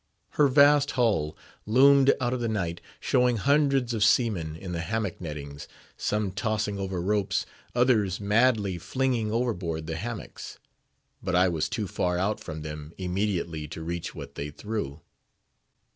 Her vast hull loomed out of the night, showing hundreds of seamen in the hammock nettings, some tossing over ropes, others madly flinging overboard the hammocks; but I was too far out from them immediately to reach what they threw.